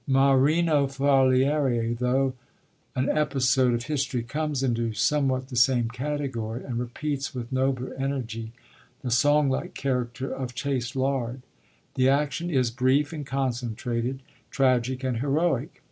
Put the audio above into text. Marino Faliero, though an episode of history, comes into somewhat the same category, and repeats with nobler energy the song like character of Chastelard. The action is brief and concentrated, tragic and heroic.